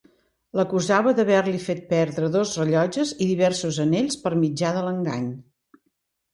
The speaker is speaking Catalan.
L'acusava d'haver-li fet perdre dos rellotges i diversos anells per mitjà de l'engany.